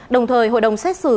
đồng thời hội đồng xét xử